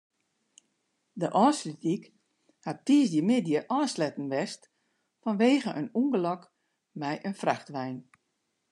De Ofslútdyk hat tiisdeitemiddei ôfsletten west fanwegen in ûngelok mei in frachtwein.